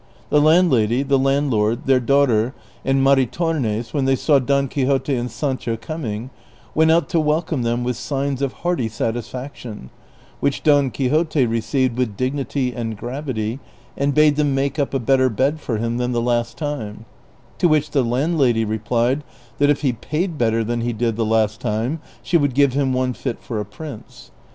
The landlady, the landlord, their daughter, and Maritornes, when they saw Don Quixote and Sancho coming, went out to welcome them with signs of hearty satisfaction, which Don Quixote received with dignity and gravity, and bade them make up a better bed for him than the last time : to which the landlady replied that if he paid better than he did the last time she would give him one fit for a prince.